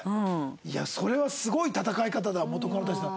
いやそれはすごい戦い方だ元カノたちとの。